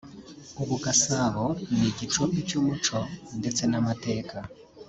ubu Gasabo ni igicumbi cy’umuco ndetse n’amateka